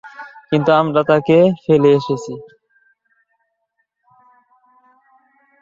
কিন্তু আমরা তাকে ফেলে এসেছি।